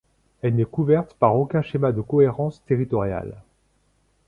Elle n'est couverte par aucun schéma de cohérence territoriale.